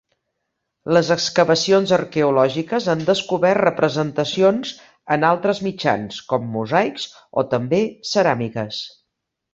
Les excavacions arqueològiques han descobert representacions en altres mitjans com mosaics o també ceràmiques.